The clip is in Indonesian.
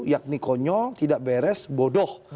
yakni konyol tidak beres bodoh